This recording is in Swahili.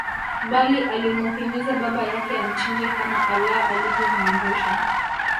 Bali alimuhimiza baba yake amchinje kama Allah alivyomuamrisha